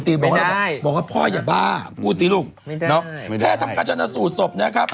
ตีพ่อบอกว่าพ่อย่าบ้าพูดสิลูกแพทย์ทำกระชานะสูดสพนะครับ